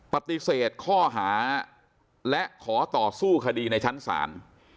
ปฏิเสธข้อหาและขอต่อสู้คดีในชั้นศาล